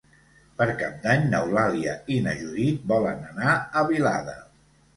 Per Cap d'Any n'Eulàlia i na Judit volen anar a Vilada.